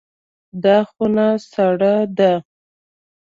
دا خونه سړه ده.